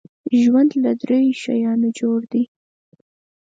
ژوند له دریو شیانو جوړ دی .